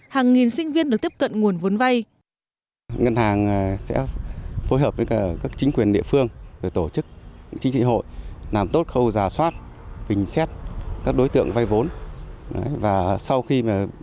hàng nghìn sinh viên được tiếp cận nguồn vốn vay